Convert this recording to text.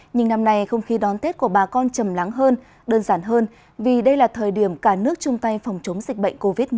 nhưng năm nay không khí đón tết của bà con chầm lắng hơn đơn giản hơn vì đây là thời điểm cả nước chung tay phòng chống dịch bệnh covid một mươi chín